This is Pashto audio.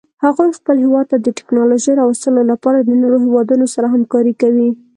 هغوی خپل هیواد ته د تکنالوژۍ راوستلو لپاره د نورو هیوادونو سره همکاري کوي